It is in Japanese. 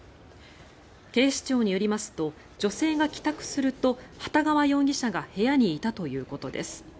警視庁によりますと女性が帰宅すると幟川容疑者が部屋にいたということです。